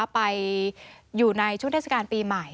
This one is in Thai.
ไปอยู่ในช่วงเทศกาลปีใหม่